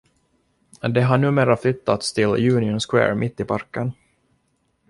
Det har numera flyttats till Union Square mitt i parken.